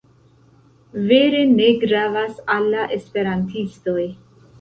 Vere ne gravas al la Esperantistoj.